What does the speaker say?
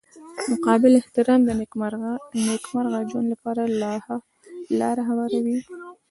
متقابل احترام د نیکمرغه ژوند لپاره لاره هواروي.